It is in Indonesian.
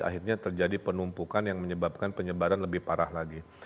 akhirnya terjadi penumpukan yang menyebabkan penyebaran lebih parah lagi